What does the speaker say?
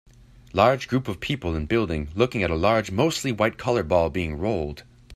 Large group of people in a building looking at a large mostly white color ball being rolled.